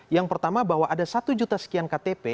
yang pertama bahwa ada satu juta sekian ktp